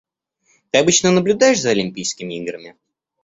Ты обычно наблюдаешь за Олимпийскими играми?